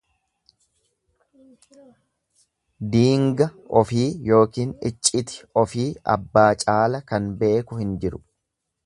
Diinga ofii ykn icciti ofii abbaa caala kan beeku hin jiru.